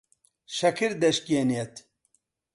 شەکر دەشکێنێت.